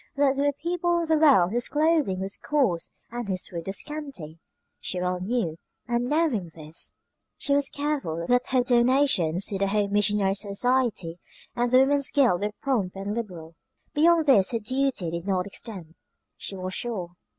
That there were people in the world whose clothing was coarse and whose food was scanty, she well knew; and knowing this she was careful that her donations to the Home Missionary Society and the Woman's Guild were prompt and liberal. Beyond this her duty did not extend, she was sure.